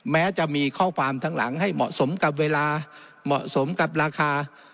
แม้จะมีข้อความทั้งหลังให้เหมาะสมกับเวลาเหมาะสมกับราคา